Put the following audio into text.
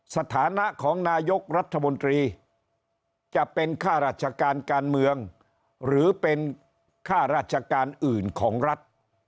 สถานะของนายกรัฐมนตรีจะเป็นค่าราชการการเมืองหรือเป็นค่าราชการอื่นของรัฐ